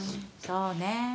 そうね。